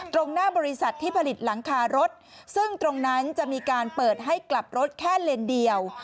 ตรงหน้าบริษัทที่ผลิตหลังคารถซึ่งตรงนั้นจะมีการเปิดให้กลับรถแค่เลนเดียว